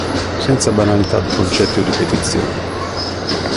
Senza banalità di concetti o di petizioni.